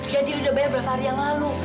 jadi udah bayar beberapa hari yang lalu